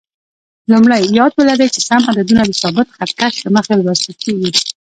لومړی: یاد ولرئ چې سم عددونه د ثابت خط کش له مخې لوستل کېږي.